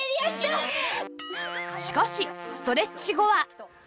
しかしストレッチ後は